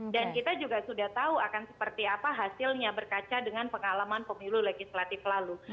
dan kita juga sudah tahu akan seperti apa hasilnya berkaca dengan pengalaman pemilu legislatif lalu